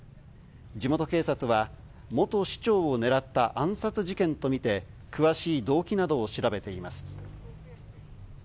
地元警察は元市長を狙った暗殺事件とみて、詳しい動機などを調べています。